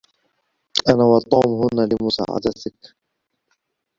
أنا وتوم هنا لمساعدتك.